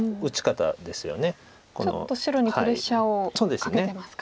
ちょっと白にプレッシャーをかけてますか。